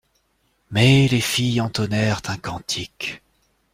Mais les filles entonnèrent un cantique.